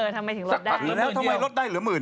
ทำไมถึงลดได้ทำไมลดได้เหลือ๑๐๐๐๐บาท